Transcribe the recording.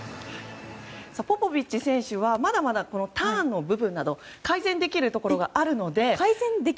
ポポビッチ選手はまだまだターンの部分など改善できるところがあるので。